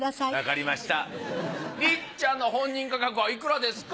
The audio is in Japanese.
りっちゃんの本人価格はいくらですか？